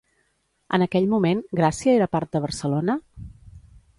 En aquell moment, Gràcia era part de Barcelona?